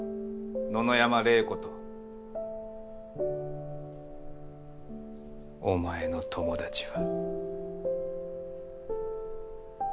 野々山怜子とお前の友達は。